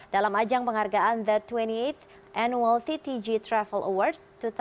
dalam ajang penghargaan the dua puluh delapan annual ctg travel award dua ribu dua puluh